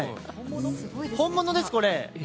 本物です、これ。